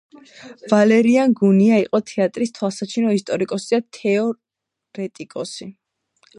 ვალერიან გუნია იყო თეატრის თვალსაჩინო ისტორიკოსი და თეორეტიკოსი.